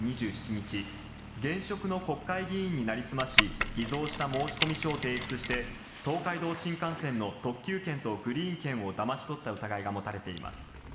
岐阜県選出の元国会議員、山下八洲夫容疑者は先月２７日、現職の国会議員に成り済まし、偽造した申込書を提出して、東海道新幹線の特急券とグリーン券をだまし取った疑いが持たれています。